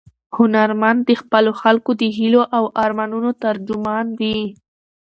هنرمند د خپلو خلکو د هیلو او ارمانونو ترجمان وي.